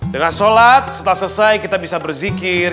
dengan sholat setelah selesai kita bisa berzikir